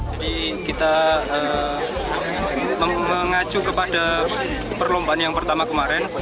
jadi kita mengacu kepada perlombaan yang pertama kemarin